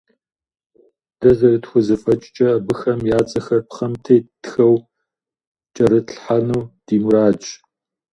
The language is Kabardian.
Дэ зэрытхузэфӏэкӏкӏэ, абыхэм я цӏэхэр пхъэм теттхэу кӏэрытлъхьэну ди мурадщ.